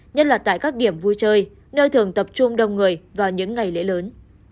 nhất là tại các điểm vui chơi nơi thường tập trung đông người vào những ngày lễ lớn